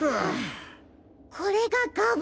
これがガブ。